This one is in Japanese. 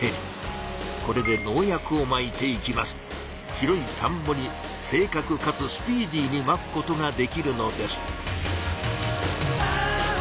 広い田んぼに正かくかつスピーディーにまくことができるのです。